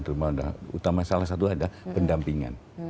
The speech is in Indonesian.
terutama salah satu ada pendampingan